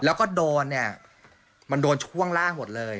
แล้วก็โดนเนี่ยมันโดนช่วงล่างหมดเลย